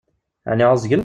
Ɛni ɛuẓgen?